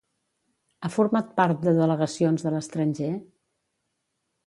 Ha format part de delegacions de l'estranger?